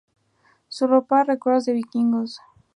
Su ropa recuerda a los Vikingos.